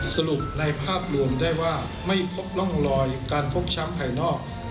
สรุปในภาพรวมได้ว่าไม่พบร่องรอยการพบช้ำภายนอก